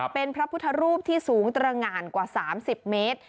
เป็นพระพุทธรูปที่สูงตรงานกว่า๓๐เมตร